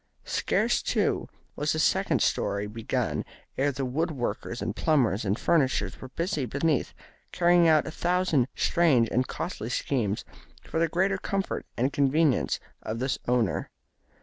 Scarce, too, was the second storey begun ere the wood workers and plumbers and furnishers were busy beneath, carrying out a thousand strange and costly schemes for the greater comfort and convenience of the owner.